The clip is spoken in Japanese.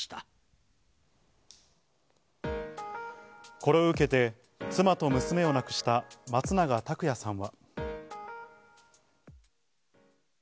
これを受けて妻と娘を亡くした松永拓也さんは。